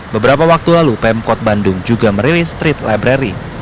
beberapa waktu lalu pemkot bandung juga merilis street library